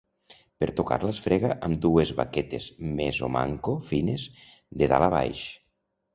Per tocar-la es frega amb dues baquetes més o manco fines de dalt a baix.